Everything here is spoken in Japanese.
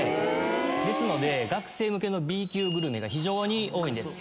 ですので学生向けのＢ級グルメが非常に多いんです。